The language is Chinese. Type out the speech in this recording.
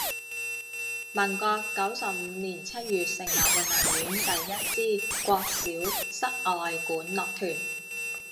民国九十五年七月成立云林县第一支国小室外管乐团。